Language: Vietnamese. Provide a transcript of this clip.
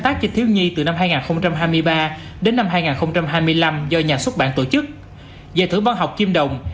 tác cho thiếu nhi từ năm hai nghìn hai mươi ba đến năm hai nghìn hai mươi năm do nhà xuất bản tổ chức giải thưởng văn học kim đồng